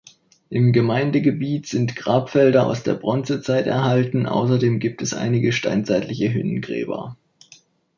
Im Gemeindegebiet sind Grabfelder aus der Bronzezeit erhalten, außerdem gibt es einige steinzeitliche Hünengräber.